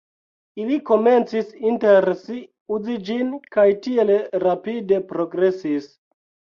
Ili komencis inter si uzi ĝin kaj tiel rapide progresis.